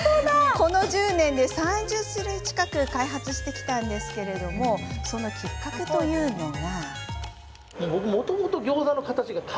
この１０年で３０種類近く開発してきたというのですがそのきっかけというのが。